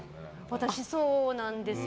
私そうなんですよ。